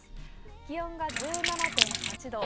気温が１７．８度。